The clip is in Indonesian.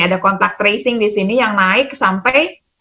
ada kontak tracing disini yang naik sampai